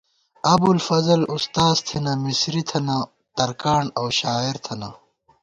ابُوالفضل اُستاذ تھنہ، مسری تھنہ ، ترکاݨ اؤ شاعر تھنہ